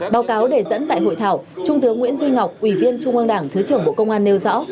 báo cáo đề dẫn tại hội thảo trung tướng nguyễn duy ngọc ủy viên trung ương đảng thứ trưởng bộ công an nêu rõ